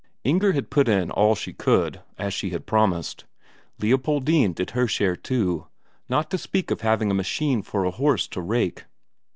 Inger had put in all she could, as she had promised. Leopoldine did her share too, not to speak of having a machine for a horse to rake.